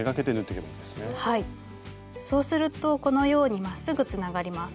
そうするとこのようにまっすぐつながります。